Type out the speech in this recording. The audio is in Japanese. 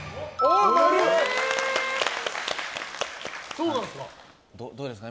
そうなんですか？